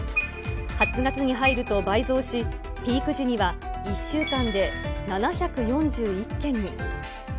８月に入ると倍増し、ピーク時には１週間で７４１件に。